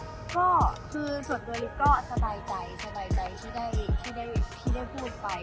ก็คือตัวดีลิฟต์ก็สบายใจไม่ได้หลาดถ้าได้พูดกันก็ไม่อยาก